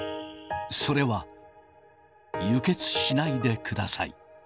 それは、輸血しないでください。